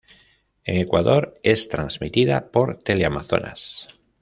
En Ecuador es transmitida por Teleamazonas.